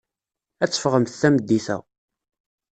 Ad teffɣemt tameddit-a.